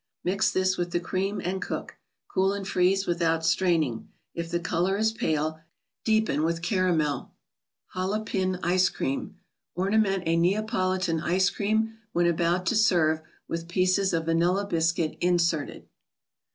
Mix this with the cream and cook. Cool and freeze without straining. If the color is pale, deepen with caramel. ©OllfofU toCreatU. ° rnament a Neapolitan ice cream, when about to serve, with pieces of vanilla biscuit inserted.